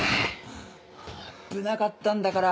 危なかったんだから。